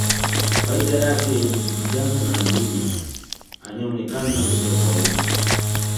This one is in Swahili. Faida yake ni kupigana na adui anayeonekana uso kwa uso